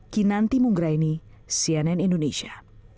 kinanti mungraini cnn indonesia